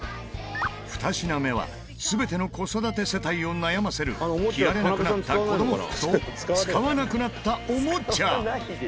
２品目は全ての子育て世帯を悩ませる着られなくなった子供服と使わなくなったおもちゃ。